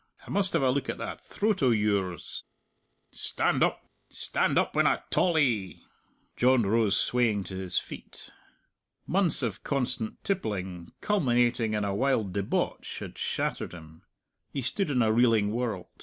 I must have a look at that throat o' yours. Stand up!... Stand up when I tall 'ee!" John rose swaying to his feet. Months of constant tippling, culminating in a wild debauch, had shattered him. He stood in a reeling world.